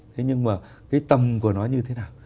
thế nhưng mà cái tầm của nó như thế nào